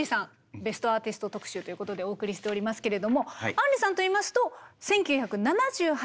ベストアーティスト特集ということでお送りしておりますけれども杏里さんといいますと１９７８年がデビュー。